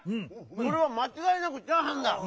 これはまちがいなく「チャーハン」だ！